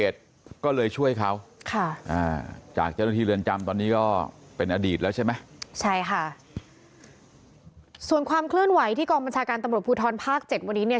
ส่วนความเคลื่อนไหวที่กองบัญชาการตำรวจภูทรภาค๗วันนี้เนี่ย